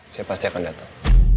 saya pasti akan datang